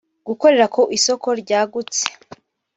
gukorera ku isoko ryagutse